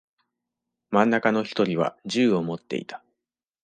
真ん中の一人は銃を持っていた。